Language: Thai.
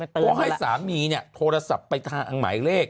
เพราะให้สามีเนี่ยโทรศัพท์ไปทางอังหมายเลข๑๖๖๙